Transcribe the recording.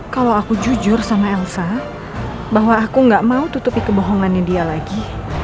kalau aku jujur sama elsa bahwa aku gak mau tutupi kebohongannya dia lagi